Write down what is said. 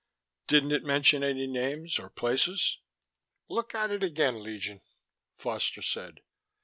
Didn't it mention any names, or places?" "Look at it again, Legion," Foster said.